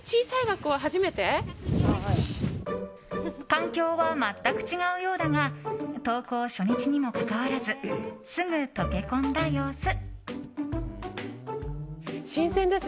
環境は全く違うようだが登校初日にもかかわらずすぐ溶け込んだ様子。